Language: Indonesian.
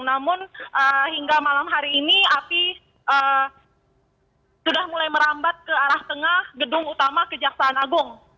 namun hingga malam hari ini api sudah mulai merambat ke arah tengah gedung utama kejaksaan agung